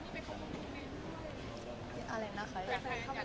เป็นแฟนหรือเป็นแฟน